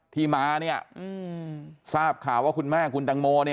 ที่มาทราบข่าวว่าคุณแม่คุณตังโม